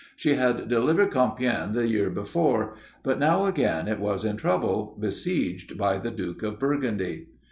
She had delivered Compiègne the year before, but now again it was in trouble, besieged by the Duke of Burgundy.